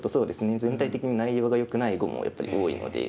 全体的に内容がよくない碁もやっぱり多いので。